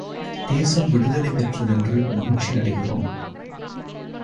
தேசம் விடுதலை பெற்றதென்று மகிழ்ச்சி அடைகிறோம்.